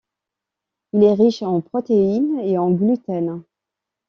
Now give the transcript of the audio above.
Il est riche en protéines et en gluten.